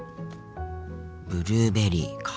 ブルーベリーか。